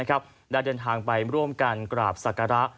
ได้เดินทางไปร่วมกันกราบศักระ